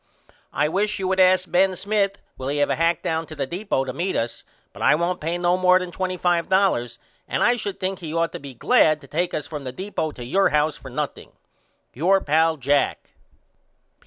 I wish you would ask Ben Smith will he have a hack down to the deepo to meet us but I won't pay no more than $25 and I should think he should ought to be glad to take us from the deepo to your house for nothing. Your pal, JACK.